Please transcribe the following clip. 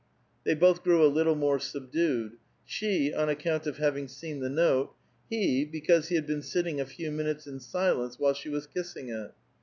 They both grew a little more subdued ; she, on account of having seen the note ; he, because he had been sitting a few minutes in silence while she was kissing it.